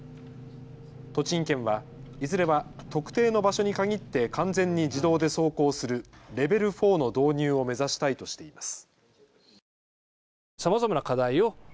栃木県はいずれは特定の場所に限って完全に自動で走行するレベル４の導入を目指したいとしています。